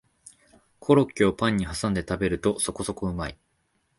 コロッケをパンにはさんで食べるとそこそこうまい